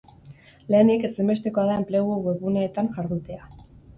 Lehenik, ezinbestekoa da enplegu webguneetan jardutea.